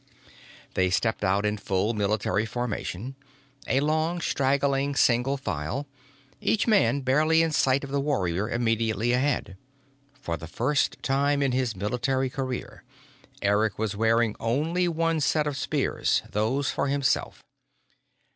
They stepped out in full military formation, a long, straggling single file, each man barely in sight of the warrior immediately ahead. For the first time in his military career, Eric was wearing only one set of spears those for himself.